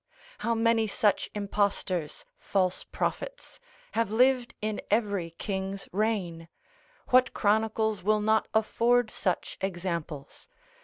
How many such impostors, false prophets, have lived in every king's reign? what chronicles will not afford such examples?